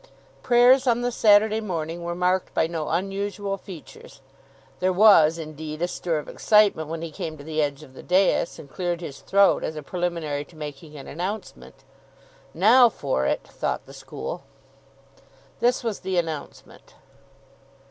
Prayers on the Saturday morning were marked by no unusual features. There was, indeed, a stir of excitement when he came to the edge of the dais, and cleared his throat as a preliminary to making an announcement. Now for it, thought the school. This was the announcement.